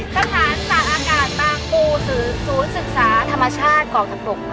สถานสถานอากาศบางปูศูนย์ศึกษาธรรมชาติกรกฎกมา